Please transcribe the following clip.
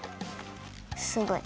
すごい。